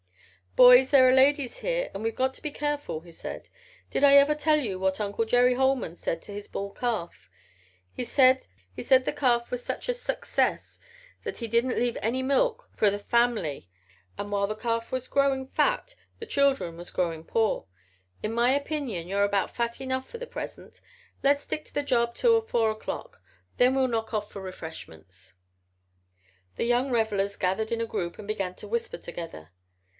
"Boys, there are ladies here and we've got to be careful," he said. "Did I ever tell you what Uncle Jerry Holman said of his bull calf? He said the calf was such a suckcess that he didn't leave any milk for the family and that while the calf was growin' fat the children was growin' poor. In my opinion you're about fat enough for the present. Let's stick to the job till four o'clock. Then we'll knock off for refreshments." The young revelers gathered in a group and began to whisper together.